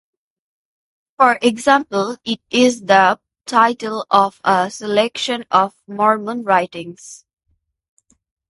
For example, it is the title of a selection of Mormon writings.